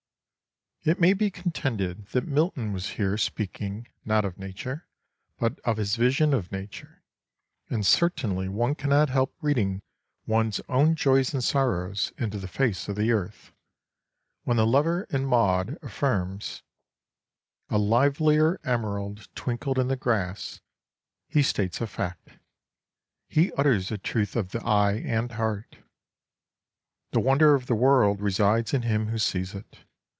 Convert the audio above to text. It may be contended that Milton was here speaking, not of nature, but of his vision of nature; and certainly one cannot help reading one's own joys and sorrows into the face of the earth. When the lover in Maud affirms: A livelier emerald twinkled in the grass, he states a fact. He utters a truth of the eye and heart. The wonder of the world resides in him who sees it.